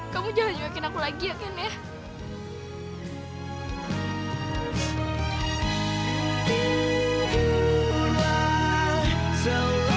kamu jangan nyokin aku lagi ya ken ya